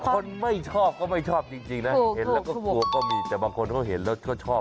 คนไม่ชอบก็ไม่ชอบจริงนะเห็นแล้วก็กลัวก็มีแต่บางคนเขาเห็นแล้วก็ชอบ